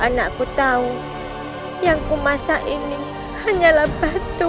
kalau saja anakku tahu yang neu masa ini hanyalah batu